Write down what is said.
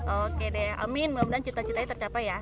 oke deh amin semoga cita citanya tercapai ya